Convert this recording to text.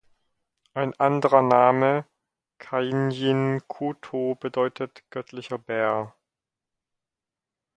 Ein anderer Name, Kainijn-Kutho, bedeutet "göttlicher Bär".